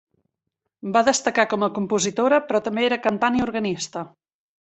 Va destacar com a compositora, però també era cantant i organista.